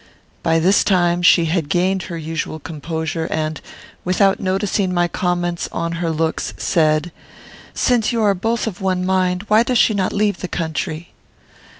By this time, she had gained her usual composure, and, without noticing my comments on her looks, said, "Since you are both of one mind, why does she not leave the country?"